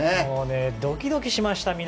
もうね、ドキドキしました